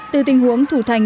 từ tình huống thủ thành